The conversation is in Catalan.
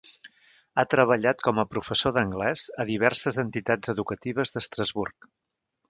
Ha treballat com a professor d'anglès a diverses entitats educatives d'Estrasburg.